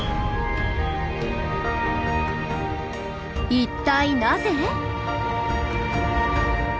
一体なぜ？